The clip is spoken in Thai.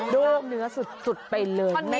โรคเนื้อสุดไปเลย